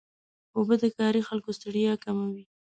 اوبه د کاري خلکو ستړیا کموي.